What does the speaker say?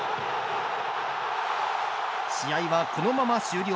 試合は、このまま終了。